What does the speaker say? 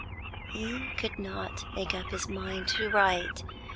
He could not make up his mind to write.